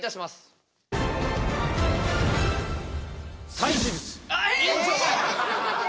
再手術？